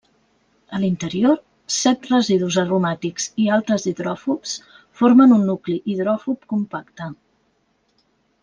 A l'interior, set residus aromàtics i altres hidròfobs formen un nucli hidròfob compacte.